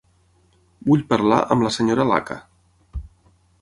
Vull parlar amb la senyora Laka.